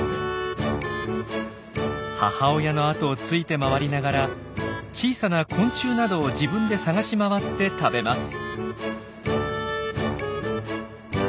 母親のあとをついて回りながら小さな昆虫などを自分で探し回って食べます。